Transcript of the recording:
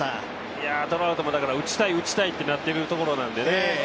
トラウトも打ちたい、打ちたいとなってるところなんでね